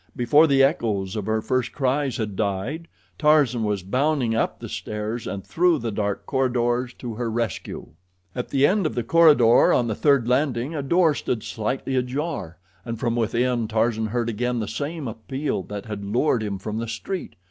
Before the echoes of her first cries had died Tarzan was bounding up the stairs and through the dark corridors to her rescue. At the end of the corridor on the third landing a door stood slightly ajar, and from within Tarzan heard again the same appeal that had lured him from the street.